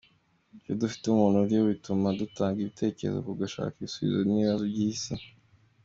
Iyo dufite umuntu uriyo bituma dutanga ibitekerezo ku gushaka ibisubizo by’ibibazo isi ifite.